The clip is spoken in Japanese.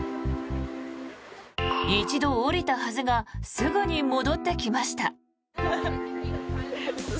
一度降りたはずがすぐに戻ってきました。